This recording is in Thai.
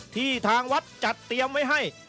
ทางวัดจัดเตรียมไว้ให้